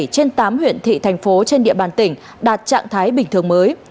bảy trên tám huyện thị thành phố trên địa bàn tỉnh đạt trạng thái bình thường mới